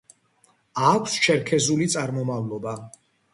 აქვს ჩერქეზული წარმომავლობა.